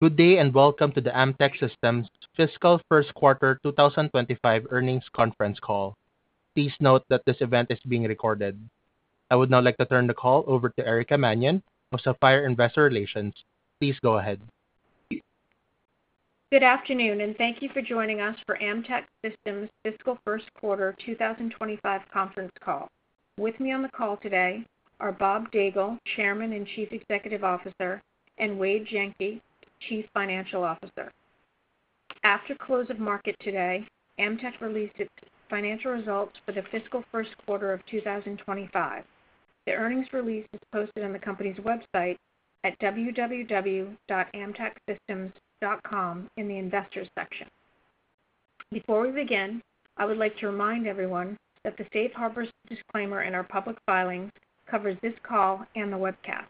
Good day and welcome to the Amtech Systems Fiscal First Quarter 2025 Earnings Conference Call. Please note that this event is being recorded. I would now like to turn the call over to Erica Mannion, who is with Investor Relations. Please go ahead. Good afternoon, and thank you for joining us for Amtech Systems Fiscal First Quarter 2025 Conference Call. With me on the call today are Bob Daigle, Chairman and Chief Executive Officer, and Wade Jenke, Chief Financial Officer. After close of market today, Amtech released its financial results for the Fiscal First Quarter of 2025. The earnings release is posted on the company's website at www.amtechsystems.com in the Investors section. Before we begin, I would like to remind everyone that the safe harbor's disclaimer in our public filing covers this call and the webcast.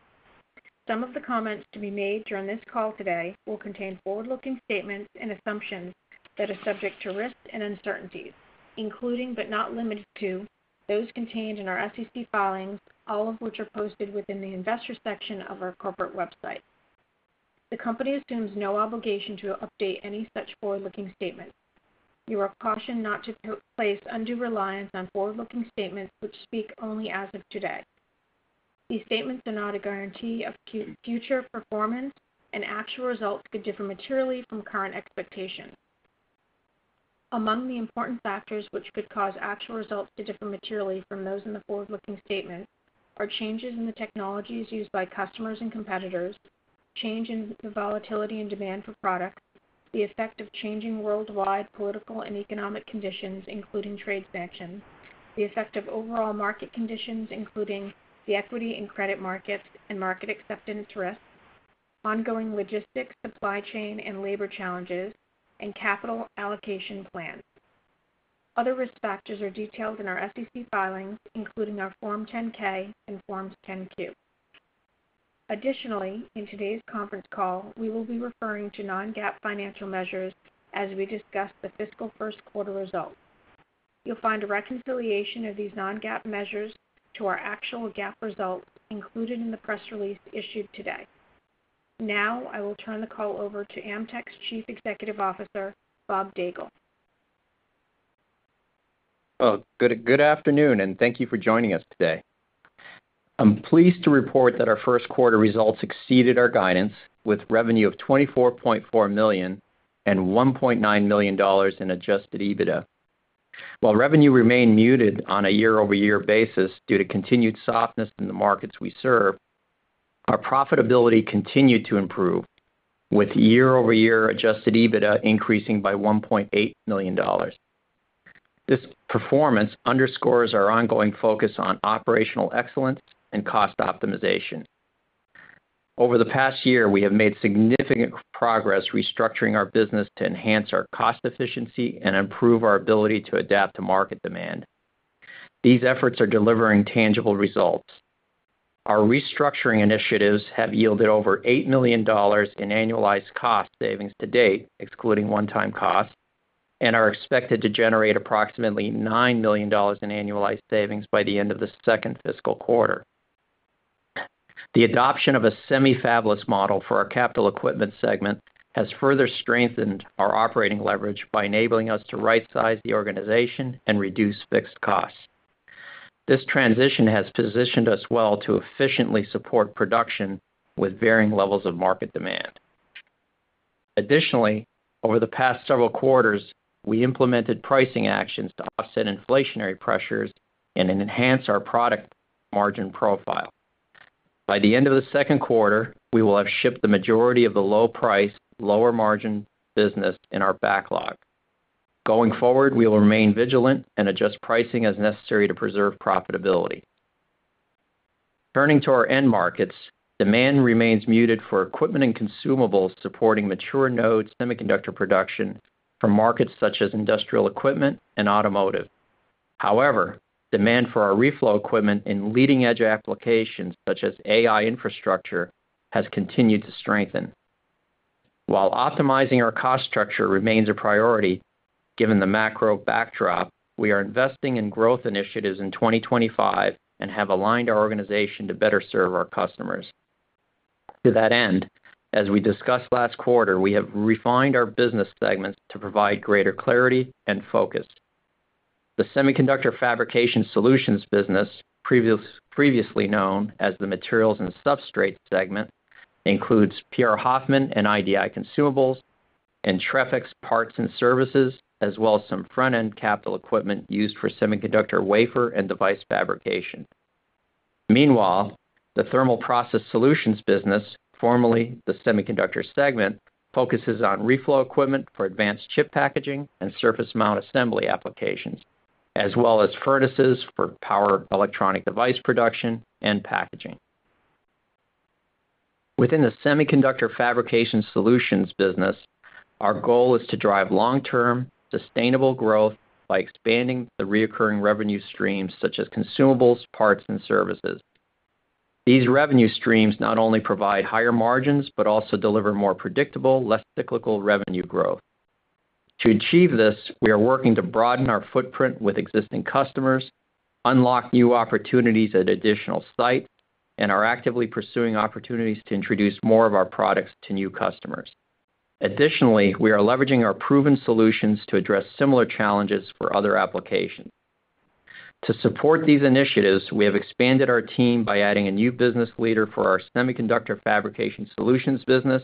Some of the comments to be made during this call today will contain forward-looking statements and assumptions that are subject to risks and uncertainties. Including but not limited to those contained in our SEC filings, all of which are posted within the Investors section of our corporate website. The company assumes no obligation to update any such forward-looking statements. You are cautioned not to place undue reliance on forward-looking statements which speak only as of today. These statements are not a guarantee of future performance, and actual results could differ materially from current expectations. Among the important factors which could cause actual results to differ materially from those in the forward-looking statement are changes in the technologies used by customers and competitors, change in the volatility and demand for products, the effect of changing worldwide political and economic conditions, including trade sanctions. The effect of overall market conditions, including the equity and credit markets and market acceptance risk, ongoing logistics, supply chain and labor challenges, and capital allocation plans. Other risk factors are detailed in our SEC filings, including our Form 10-K and Form 10-Q. Additionally, in today's conference call, we will be referring to non-GAAP financial measures as we discuss the Fiscal First Quarter results. You'll find a reconciliation of these non-GAAP measures to our actual GAAP results included in the press release issued today. Now, I will turn the call over to Amtech's Chief Executive Officer, Bob Daigle. Good afternoon, and thank you for joining us today. I'm pleased to report that our first quarter results exceeded our guidance with revenue of $24.4 million and $1.9 million in adjusted EBITDA. While revenue remained muted on a year-over-year basis due to continued softness in the markets we serve, our profitability continued to improve, with year-over-year adjusted EBITDA increasing by $1.8 million. This performance underscores our ongoing focus on operational excellence and cost optimization. Over the past year, we have made significant progress restructuring our business to enhance our cost efficiency and improve our ability to adapt to market demand. These efforts are delivering tangible results. Our restructuring initiatives have yielded over $8 million in annualized cost savings to date, excluding one-time costs, and are expected to generate approximately $9 million in annualized savings by the end of the second fiscal quarter. The adoption of a semi-fabless model for our capital equipment segment has further strengthened our operating leverage by enabling us to right-size the organization and reduce fixed costs. This transition has positioned us well to efficiently support production with varying levels of market demand. Additionally, over the past several quarters, we implemented pricing actions to offset inflationary pressures and enhance our product margin profile. By the end of the second quarter, we will have shipped the majority of the low-priced, lower-margin business in our backlog. Going forward, we will remain vigilant and adjust pricing as necessary to preserve profitability. Turning to our end markets, demand remains muted for equipment and consumables supporting mature node semiconductor production from markets such as industrial equipment and automotive. However, demand for our reflow equipment in leading-edge applications such as AI infrastructure has continued to strengthen. While optimizing our cost structure remains a priority, given the macro backdrop, we are investing in growth initiatives in 2025 and have aligned our organization to better serve our customers. To that end, as we discussed last quarter, we have refined our business segments to provide greater clarity and focus. The semiconductor fabrication solutions business, previously known as the materials and substrates segment, includes PR Hoffman and IDI Consumables and Entrepix Parts and Services, as well as some front-end capital equipment used for semiconductor wafer and device fabrication. Meanwhile, the thermal process solutions business, formerly the semiconductor segment, focuses on reflow equipment for advanced chip packaging and surface mount assembly applications, as well as furnaces for power electronic device production and packaging. Within the semiconductor fabrication solutions business, our goal is to drive long-term sustainable growth by expanding the reoccurring revenue streams such as consumables, parts, and services. These revenue streams not only provide higher margins but also deliver more predictable, less cyclical revenue growth. To achieve this, we are working to broaden our footprint with existing customers, unlock new opportunities at additional sites, and are actively pursuing opportunities to introduce more of our products to new customers. Additionally, we are leveraging our proven solutions to address similar challenges for other applications. To support these initiatives, we have expanded our team by adding a new business leader for our semiconductor fabrication solutions business,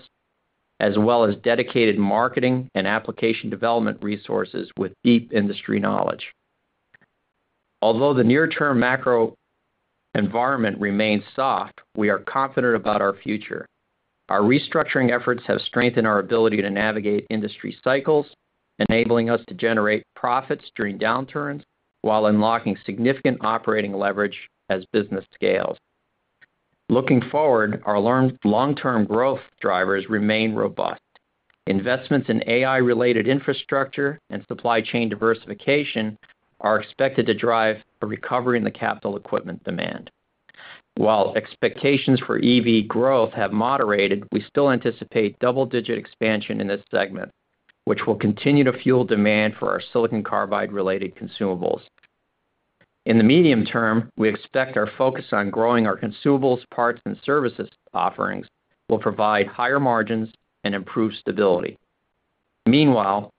as well as dedicated marketing and application development resources with deep industry knowledge. Although the near-term macro environment remains soft, we are confident about our future. Our restructuring efforts have strengthened our ability to navigate industry cycles, enabling us to generate profits during downturns while unlocking significant operating leverage as business scales. Looking forward, our long-term growth drivers remain robust. Investments in AI-related infrastructure and supply chain diversification are expected to drive a recovery in the capital equipment demand. While expectations for EV growth have moderated, we still anticipate double-digit expansion in this segment, which will continue to fuel demand for our silicon carbide-related consumables. In the medium term, we expect our focus on growing our consumables, parts, and services offerings will provide higher margins and improved stability. Meanwhile,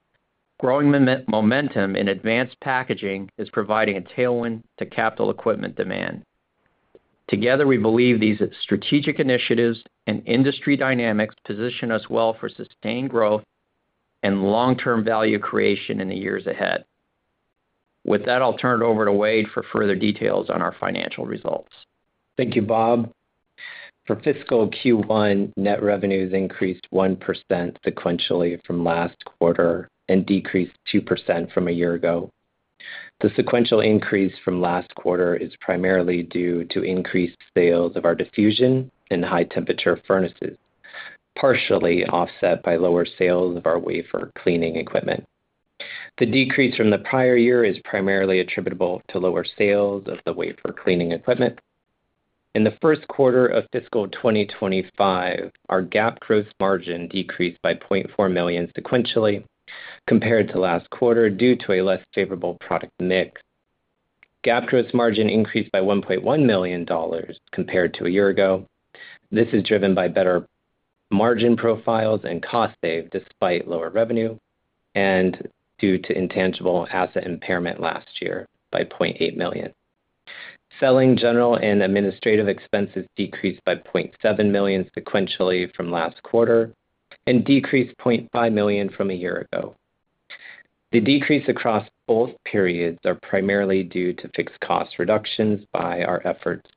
growing momentum in advanced packaging is providing a tailwind to capital equipment demand. Together, we believe these strategic initiatives and industry dynamics position us well for sustained growth and long-term value creation in the years ahead. With that, I'll turn it over to Wade for further details on our financial results. Thank you, Bob. For fiscal Q1, net revenues increased 1% sequentially from last quarter and decreased 2% from a year ago. The sequential increase from last quarter is primarily due to increased sales of our diffusion and high-temperature furnaces, partially offset by lower sales of our wafer cleaning equipment. The decrease from the prior year is primarily attributable to lower sales of the wafer cleaning equipment. In the first quarter of fiscal 2025, our GAAP gross margin decreased by $0.4 million sequentially compared to last quarter due to a less favorable product mix. GAAP gross margin increased by $1.1 million compared to a year ago. This is driven by better margin profiles and cost saved despite lower revenue and due to intangible asset impairment last year by $0.8 million. Selling, general, and administrative expenses decreased by $0.7 million sequentially from last quarter and decreased by $0.5 million from a year ago. The decrease across both periods is primarily due to fixed cost reductions by our efforts.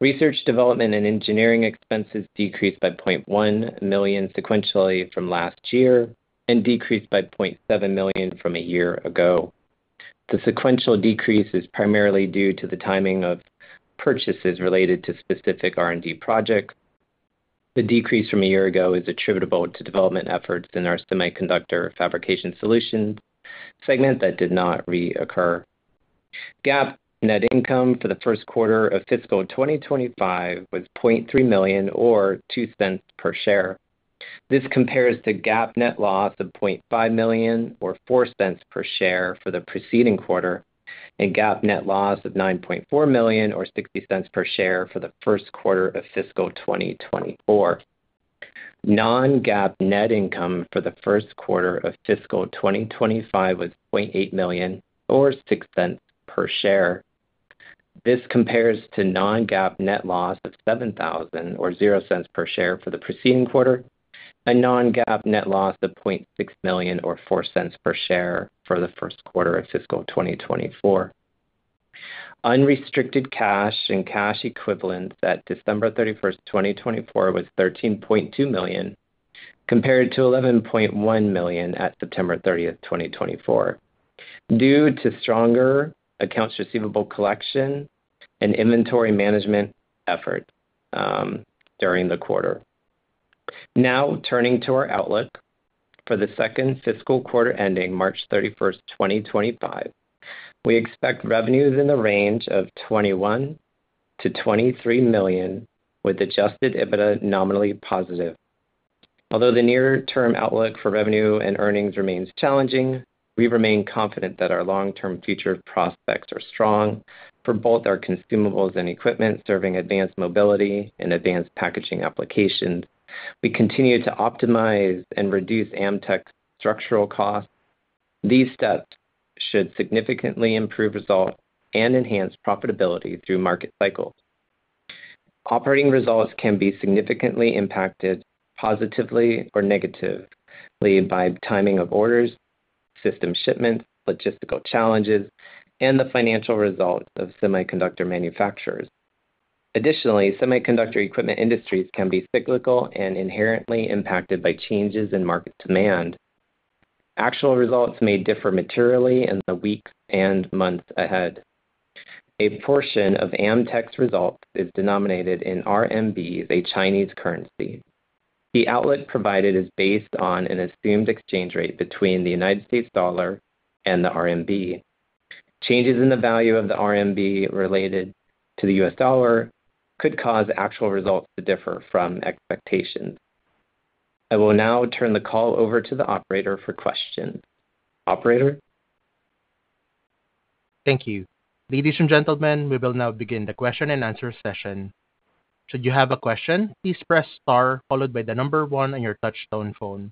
Research, development, and engineering expenses decreased by $0.1 million sequentially from last quarter and decreased by $0.7 million from a year ago. The sequential decrease is primarily due to the timing of purchases related to specific R&D projects. The decrease from a year ago is attributable to development efforts in our semiconductor fabrication solutions segment that did not reoccur. GAAP net income for the first quarter of fiscal 2025 was $0.3 million, or $0.02 per share. This compares to GAAP net loss of $0.5 million, or $0.04 per share for the preceding quarter, and GAAP net loss of $9.4 million, or $0.60 per share for the first quarter of fiscal 2024. Non-GAAP net income for the first quarter of fiscal 2025 was $0.8 million, or $0.06 per share. This compares to non-GAAP net loss of $7,000, or $0.00 per share for the preceding quarter, and non-GAAP net loss of $0.6 million, or $0.04 per share for the first quarter of fiscal 2024. Unrestricted cash and cash equivalents at December 31, 2024, was $13.2 million, compared to $11.1 million at September 30, 2024, due to stronger accounts receivable collection and inventory management efforts during the quarter. Now, turning to our outlook for the second fiscal quarter ending March 31, 2025, we expect revenues in the range of $21-$23 million, with adjusted EBITDA nominally positive. Although the near-term outlook for revenue and earnings remains challenging, we remain confident that our long-term future prospects are strong for both our consumables and equipment serving advanced mobility and advanced packaging applications. We continue to optimize and reduce Amtech's structural costs. These steps should significantly improve results and enhance profitability through market cycles. Operating results can be significantly impacted positively or negatively by timing of orders, system shipments, logistical challenges, and the financial results of semiconductor manufacturers. Additionally, semiconductor equipment industries can be cyclical and inherently impacted by changes in market demand. Actual results may differ materially in the weeks and months ahead. A portion of Amtech's results is denominated in RMB, a Chinese currency. The outlook provided is based on an assumed exchange rate between the United States dollar and the RMB. Changes in the value of the RMB related to the US dollar could cause actual results to differ from expectations. I will now turn the call over to the operator for questions. Operator. Thank you. Ladies and gentlemen, we will now begin the question and answer session. Should you have a question, please press Star, followed by the number one on your touch-tone phone.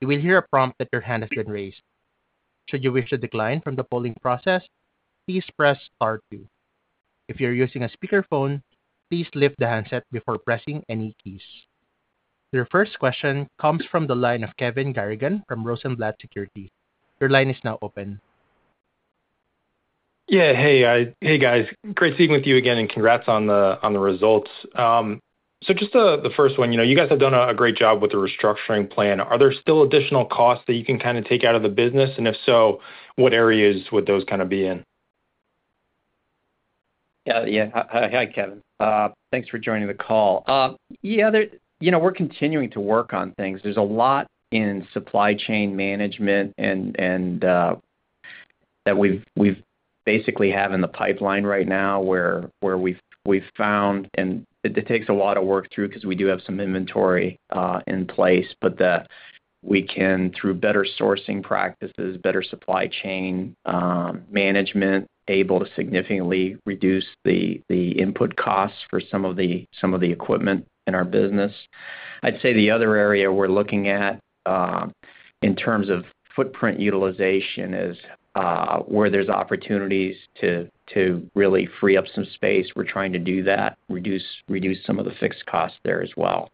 You will hear a prompt that your hand has been raised. Should you wish to decline from the polling process, please press Star 2. If you're using a speakerphone, please lift the handset before pressing any keys. Your first question comes from the line of Kevin Garrigan from Rosenblatt Securities. Your line is now open. Yeah, hey guys. Great seeing you again and congrats on the results. Just the first one, you guys have done a great job with the restructuring plan. Are there still additional costs that you can kind of take out of the business? If so, what areas would those kind of be in? Yeah, yeah. Hi, Kevin. Thanks for joining the call. Yeah, we're continuing to work on things. There's a lot in supply chain management that we basically have in the pipeline right now where we've found, and it takes a lot of work through because we do have some inventory in place, but we can, through better sourcing practices, better supply chain management, be able to significantly reduce the input costs for some of the equipment in our business. I'd say the other area we're looking at in terms of footprint utilization is where there's opportunities to really free up some space. We're trying to do that, reduce some of the fixed costs there as well.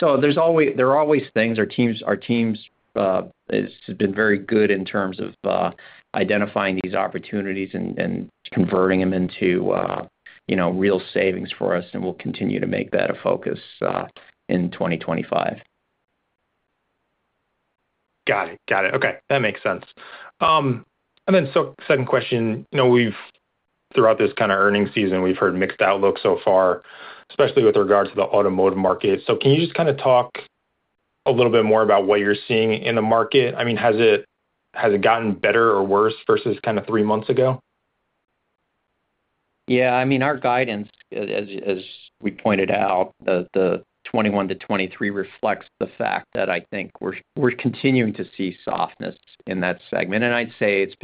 There are always things. Our team has been very good in terms of identifying these opportunities and converting them into real savings for us, and we'll continue to make that a focus in 2025. Got it. Got it. Okay. That makes sense. Then second question, throughout this kind of earning season, we've heard mixed outlook so far, especially with regards to the automotive market. Can you just kind of talk a little bit more about what you're seeing in the market? I mean, has it gotten better or worse versus kind of three months ago? Yeah. I mean, our guidance, as we pointed out, the '21 to '23 reflects the fact that I think we're continuing to see softness in that segment. I'd say it's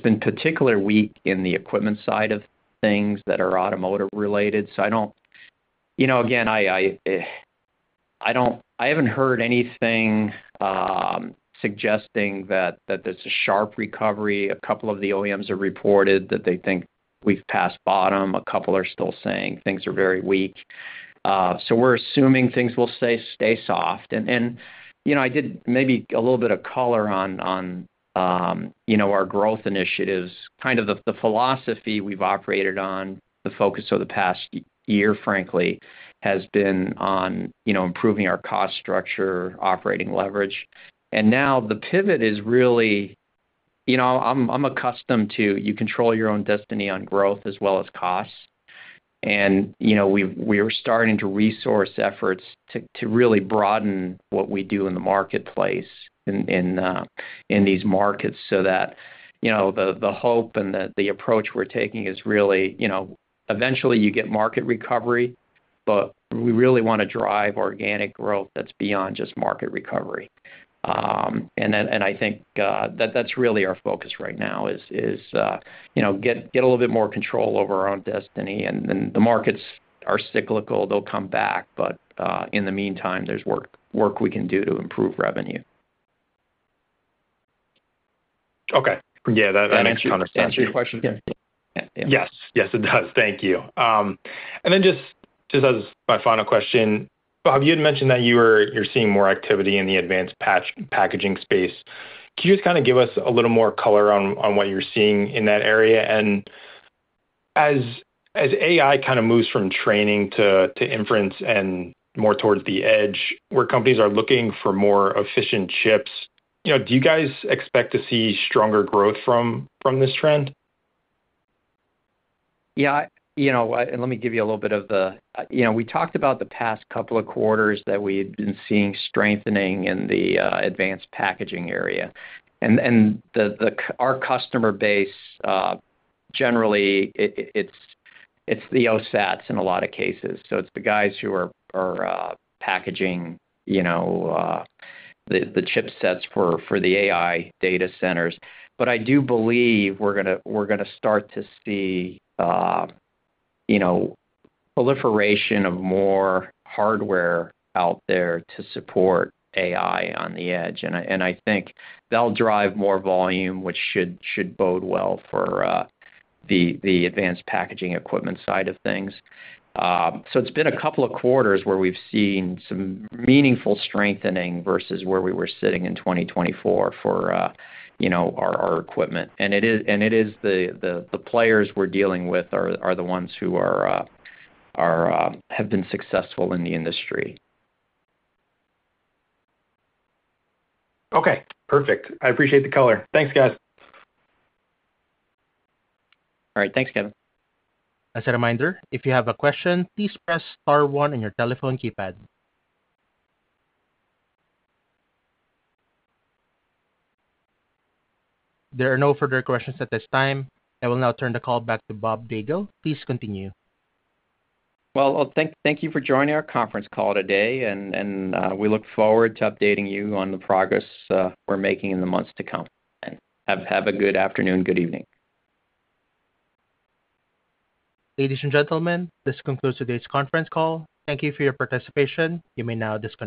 been particularly weak in the equipment side of things that are automotive-related. I haven't heard anything suggesting that there's a sharp recovery. A couple of the OEMs have reported that they think we've passed bottom. A couple are still saying things are very weak. We're assuming things will stay soft. I did maybe a little bit of color on our growth initiatives. Kind of the philosophy we've operated on, the focus of the past year, frankly, has been on improving our cost structure, operating leverage. Now the pivot is really, I'm accustomed to you control your own destiny on growth as well as costs. We are starting to resource efforts to really broaden what we do in the marketplace in these markets so that the hope and the approach we're taking is really, eventually, you get market recovery, but we really want to drive organic growth that's beyond just market recovery. I think that's really our focus right now is get a little bit more control over our own destiny. The markets are cyclical. They'll come back. In the meantime, there's work we can do to improve revenue. Okay. Yeah. That makes sense. I don't understand your question again. Yes. Yes, it does. Thank you. Just as my final question, Bob, you had mentioned that you're seeing more activity in the advanced packaging space. Could you just kind of give us a little more color on what you're seeing in that area? As AI kind of moves from training to inference and more towards the edge, where companies are looking for more efficient chips, do you guys expect to see stronger growth from this trend? Yeah. Let me give you a little bit of the, we talked about the past couple of quarters that we had been seeing strengthening in the advanced packaging area. Our customer base, generally, it's the OSATs in a lot of cases. It's the guys who are packaging the chipsets for the AI data centers. I do believe we're going to start to see proliferation of more hardware out there to support AI on the edge. I think that'll drive more volume, which should bode well for the advanced packaging equipment side of things. It's been a couple of quarters where we've seen some meaningful strengthening versus where we were sitting in 2024 for our equipment. The players we're dealing with are the ones who have been successful in the industry. Okay. Perfect. I appreciate the color. Thanks, guys. All right. Thanks, Kevin. As a reminder, if you have a question, please press Star 1 on your telephone keypad. There are no further questions at this time. I will now turn the call back to Bob Daigle. Please continue. Thank you for joining our conference call today. We look forward to updating you on the progress we're making in the months to come. Have a good afternoon, good evening. Ladies and gentlemen, this concludes today's conference call. Thank you for your participation. You may now disconnect.